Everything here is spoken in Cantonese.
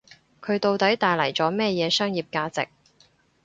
佢到底帶嚟咗乜嘢商業價值